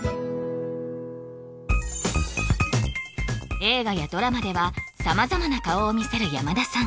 映画やドラマでは様々な顔を見せる山田さん